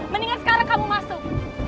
mendingan sekarang kamu masuk